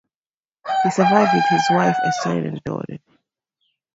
He was survived with his wife, a son and a daughter.